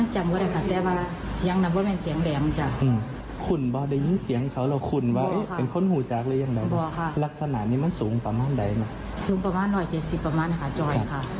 จำรูปภัณฑ์หน่อย๗๐ประมาณค่ะจอยค่ะ